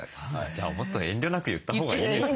じゃあもっと遠慮なく言ったほうがいいんですね。